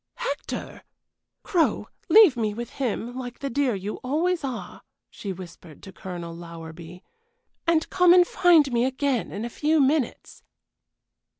"Hector! Crow, leave me with him, like the dear you always are," she whispered to Colonel Lowerby, "and come and find me again in a few minutes."